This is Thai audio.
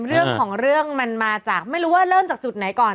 เรื่องของเรื่องมันมาจากไม่รู้ว่าเริ่มจากจุดไหนก่อน